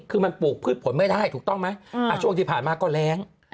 คือมันปลูกพืชผลไม่ได้ถูกต้องไหมช่วงที่ผ่านมาก็แรง